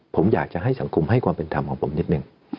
ผมอยากจะให้สังคมให้ความเป็นธรรมของผมนิดนึง